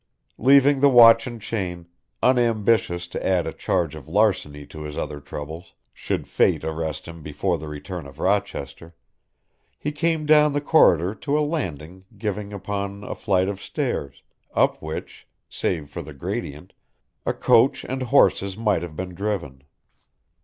Leaving the watch and chain unambitious to add a charge of larceny to his other troubles, should Fate arrest him before the return of Rochester, he came down the corridor to a landing giving upon a flight of stairs, up which, save for the gradient, a coach and horses might have been driven.